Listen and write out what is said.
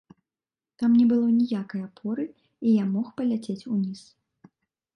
Там не было ніякай апоры, і я мог паляцець уніз.